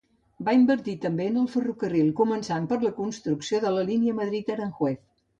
Va invertir també en el ferrocarril, començant per la construcció de la línia Madrid–Aranjuez.